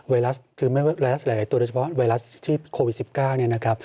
ไวรัสหลายตัวโดยเฉพาะไวรัสที่โควิด๑๙